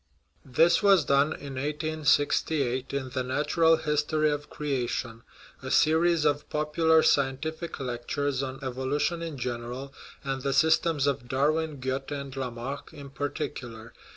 This was done in 1868, in The Natural History of Creation (a series of popular scientific lectures on evolution in general, and the sys tems of Darwin, Goethe, and Lamarck in particular).